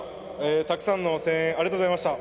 たくさんの声援ありがとうございました！